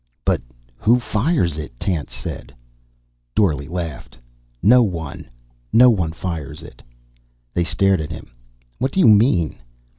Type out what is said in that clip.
"But who fires it?" Tance said. Dorle laughed. "No one. No one fires it." They stared at him. "What do you mean?"